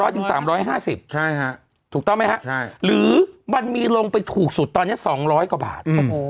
ถึง๓๕๐ถูกต้องไหมครับหรือมันมีลงไปถูกสุดตอนนี้๒๐๐กว่าบาท